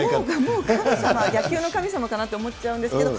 もう神様、野球の神様かなと思っちゃうんですけど。